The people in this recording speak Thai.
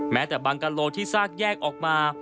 แม้แต่บางกะโลที่ซากแยกออกมา